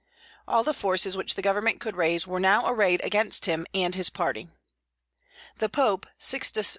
All the forces which the Government could raise were now arrayed against him and his party. The Pope, Sixtus V.